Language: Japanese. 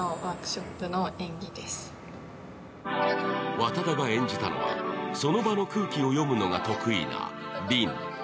和多田が演じたのは、その場の空気を読むのが得意なリン。